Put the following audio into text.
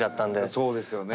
そうですよね。